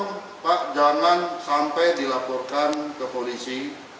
tolong pak jangan sampai dilaporkan ke polisi